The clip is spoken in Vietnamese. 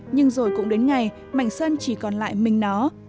nhưng rồi cũng đến ngày mảnh sân chỉ còn lại mình nó